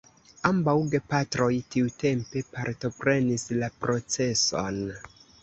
Ambaŭ gepatroj tiutempe partoprenis la proceson.